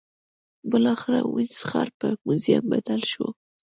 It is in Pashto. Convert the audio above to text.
بالاخره وینز ښار پر موزیم بدل شو.